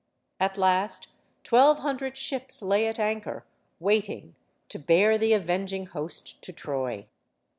At last, twelve hundred ships lay at anchor, waiting to bear the avenging host to Troy.